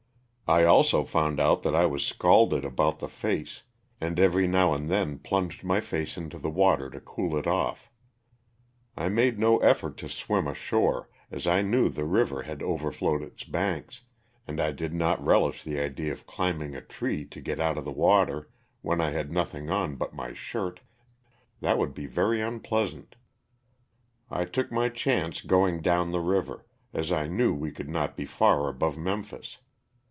I also found out that I was scalded about the face, and every now and then plunged my face into the water to cool it off. I made no effort to swim ashore, as I knew the river had overflowed its banks, and I did not relish the idea of climbing a tree to get LOSS OF THE SULTANA. 311 out of the water when I had nothing on but my shirt. That would be very unpleasant. I took my chance going down the river, as I knew we could not be far above Memphis.